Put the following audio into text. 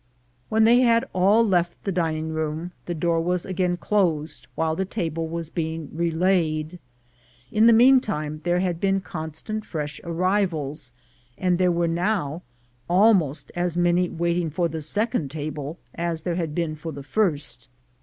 When they had all left the dining room, the door was again closed while the table was being relaid. In the meantime there had been constant fresh arrivals, and there were now almost as many waiting for the second table as there had been for the first.